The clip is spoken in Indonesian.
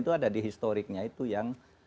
itu ada di historiknya itu yang